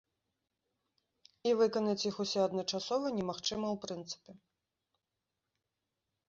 І выканаць іх усе адначасова немагчыма ў прынцыпе.